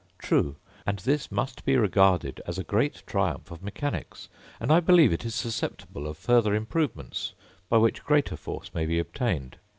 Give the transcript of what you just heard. True; and this must be regarded as a great triumph of mechanics; and I believe it is susceptible of further improvements, by which greater force may be obtained.